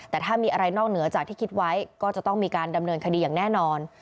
แต่ถ้ามีอะไรนอกเหนือจากที่คิดไว้ก็จะต้องมีการดำเนินคดีอย่างแน่นอน